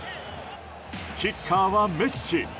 キッカーはメッシ。